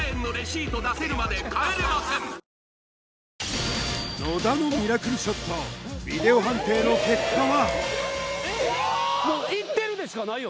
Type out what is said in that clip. わかるぞ野田のミラクルショットビデオ判定の結果は？